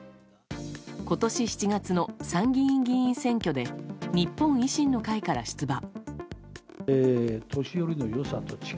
今年７月の参議院議員選挙で日本維新の会から出馬。